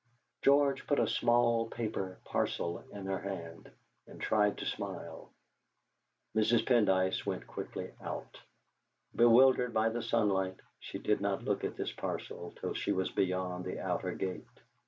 George put a small paper parcel in her hand and tried to smile. Mrs. Pendyce went quickly out. Bewildered by the sunlight, she did not look at this parcel till she was beyond the outer gate.